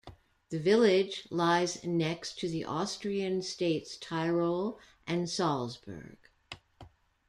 The village lies next to the Austrian states Tyrol and Salzburg.